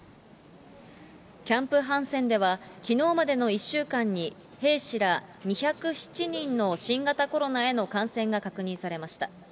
キャンプ・ハンセンではきのうまでの１週間に、兵士ら２０７人の新型コロナへの感染が確認されました。